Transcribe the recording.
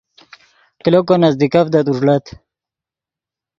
کلو کو نزیکڤدت اوݱڑت